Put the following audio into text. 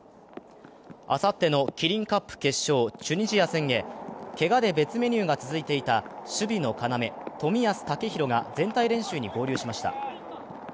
あさってのキリンカップ決勝チュニジア戦へ、けがで別メニューが続いていた守備の要・冨安健洋が全体練習に合流しました。